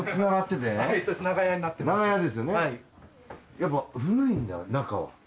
やっぱ古いんだ中は。